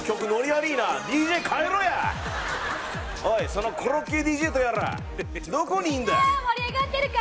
おいそのコロッケＤＪとやらどこにいるんだ？